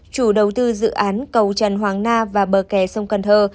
chủ đầu tư dự án cầu trần hoàng na và bờ kè sông cần thơ